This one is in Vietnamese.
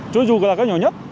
cho dù là cái nhỏ nhất